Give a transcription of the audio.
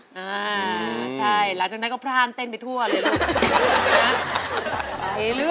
อ่าใช่หลังจากนั้นก็พร่ามเต้นไปทั่วเลยลูก